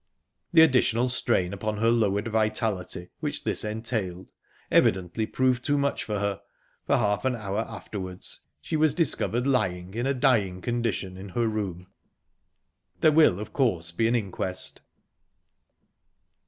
The additional strain upon her lowered vitality which this entailed evidently proved too much for her, for half an hour afterwards she was discovered lying in a dying condition in her room. There will of course be an inquest.